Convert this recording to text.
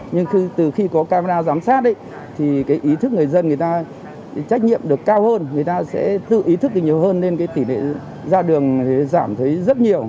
nhưng từ khi có camera giám sát thì cái ý thức người dân người ta trách nhiệm được cao hơn người ta sẽ tự ý thức được nhiều hơn nên cái tỷ lệ ra đường giảm thấy rất nhiều